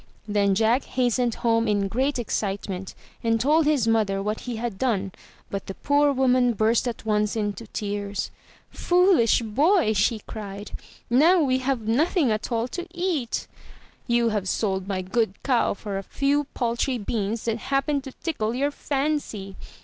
Then Jack hastened home in great excitement and told his mother what he had done, but the poor woman burst at once into tears. 'Toolish boy," she cried, *'now we have nothing at all to eat. You have sold my good cow for a few paltry beans that happened to tickle your fancy.